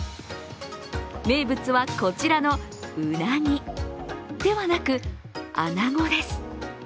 名物はこちらのうなぎではなくあなごです。